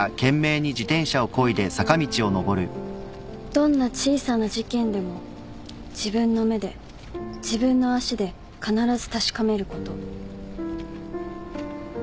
「どんな小さな事件でも自分の目で自分の足で必ず確かめること」